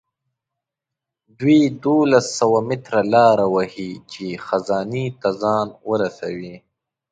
دوی دولس سوه متره لاره وهي چې خزانې ته ځان ورسوي.